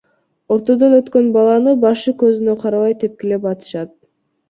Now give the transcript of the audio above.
Ортодон өткөн баланы башы көзүнө карабай тепкилеп атышат.